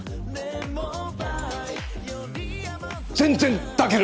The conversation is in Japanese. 全然抱ける！